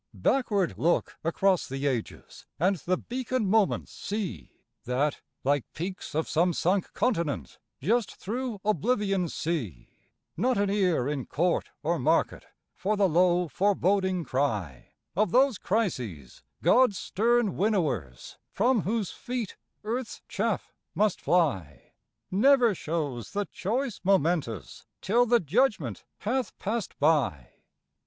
Backward look across the ages and the beacon moments see, That, like peaks of some sunk continent, jut through Oblivion's sea; Not an ear in court or market for the low foreboding cry Of those Crises, God's stern winnowers, from whose feet earth's chaff must fly; Never shows the choice momentous till the judgment hath passed by.